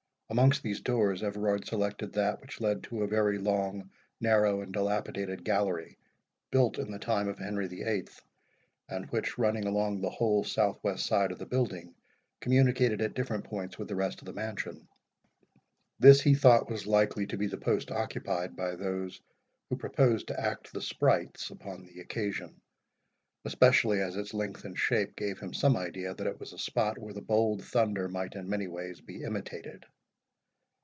Amongst these doors, Everard selected that which led to a very long, narrow, and dilapidated gallery, built in the time of Henry VIII., and which, running along the whole south west side of the building, communicated at different points with the rest of the mansion. This he thought was likely to be the post occupied by those who proposed to act the sprites upon the occasion; especially as its length and shape gave him some idea that it was a spot where the bold thunder might in many ways be imitated.